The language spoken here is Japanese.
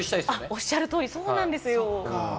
おっしゃる通り、そうなんですよ。